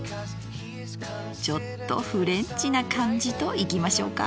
ちょっとフレンチな感じといきましょうか。